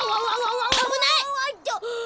あぶない！